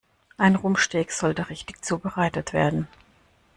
Ein Rumpsteak sollte richtig zubereitet werden.